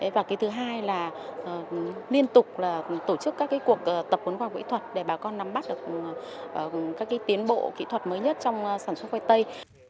và thứ hai là liên tục tổ chức các cuộc tập huấn khoa học kỹ thuật để bà con nắm bắt được các tiến bộ kỹ thuật mới nhất trong sản xuất khoai tây